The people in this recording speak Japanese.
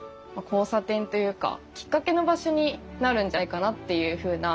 きっかけの場所になるんじゃないかなっていうふうな。